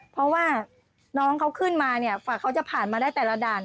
เพราะว่าน้องเขาขึ้นมาเนี่ยเขาจะผ่านมาได้แต่ละด่าน